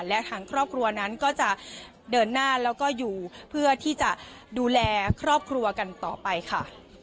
และทางครอบครัวนั้นก็จะเดินหน้าแล้วก็อยู่เพื่อที่จะดูแลครอบครัวกันต่อไปค่ะ